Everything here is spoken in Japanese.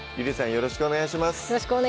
よろしくお願いします